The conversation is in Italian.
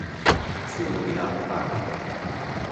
Fu nominato parroco.